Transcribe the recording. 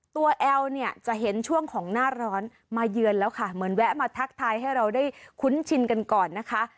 แอลเนี่ยจะเห็นช่วงของหน้าร้อนมาเยือนแล้วค่ะเหมือนแวะมาทักทายให้เราได้คุ้นชินกันก่อนนะคะ